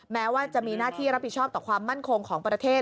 แม้ว่าจะมีหน้าที่รับผิดชอบต่อความมั่นคงของประเทศ